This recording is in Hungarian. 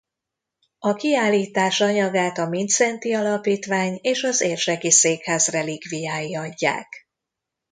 A kiállítás anyagát a Mindszenty Alapítvány és az érseki székház relikviái adják.